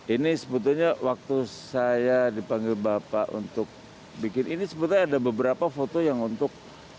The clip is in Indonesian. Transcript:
ini sebetulnya waktu saya dipanggil bapak untuk bikin ini sebetulnya ada beberapa foto yang untuk